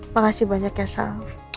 makasih banyak ya sal